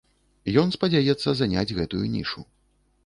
Ён спадзяецца заняць гэтую нішу.